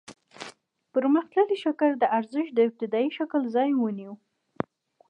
پرمختللي شکل د ارزښت د ابتدايي شکل ځای ونیو